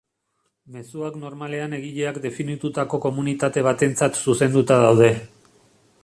Mezuak normalean egileak definitutako komunitate batentzat zuzenduta daude.